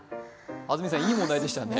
安住さん、いい問題でしたね